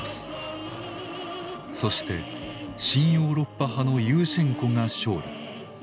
そして親ヨーロッパ派のユーシェンコが勝利。